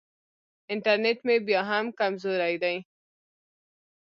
انټرنېټ مې بیا هم کمزوری دی.